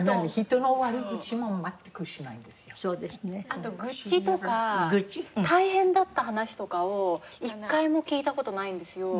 あと愚痴とか大変だった話とかを一回も聞いた事ないんですよ。